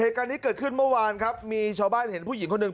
เหตุการณ์นี้เกิดขึ้นเมื่อวานครับมีชาวบ้านเห็นผู้หญิงคนหนึ่ง